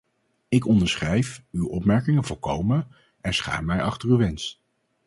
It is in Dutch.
Ik onderschrijf uw opmerkingen volkomen en schaar mij achter uw wens.